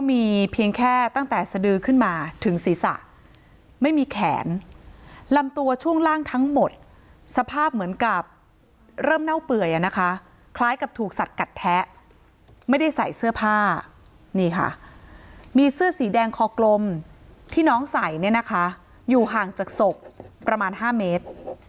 มีเพียงแค่ตั้งแต่สดือขึ้นมาถึงศีรษะไม่มีแขนลำตัวช่วงล่างทั้งหมดสภาพเหมือนกับเริ่มเน่าเปื่อยนะคะคล้ายกับถูกสัดกัดแทะไม่ได้ใส่เสื้อผ้านี่ค่ะมีเสื้อสีแดงคอกลมที่น้องใส่เนี่ยนะคะอยู่ห่างจากศพประมาณ๕เมตร